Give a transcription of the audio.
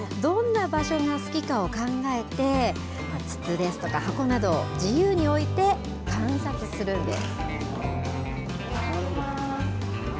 どんな場所が好きかを考えて筒ですとか箱などを自由において観察するんです。